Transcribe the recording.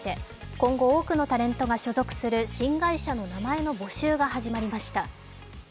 今後、多くのタレントが所属する新会社の名前の募集が始まりました。